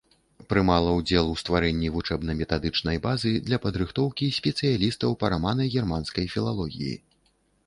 Прымала ўдзел у стварэнні вучэбна-метадычнай базы для падрыхтоўкі спецыялістаў па рамана-германскай філалогіі.